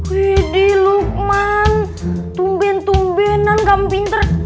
wih dih lukman tumben tumbenan kamu pinter